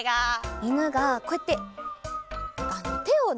いぬがこうやっててをね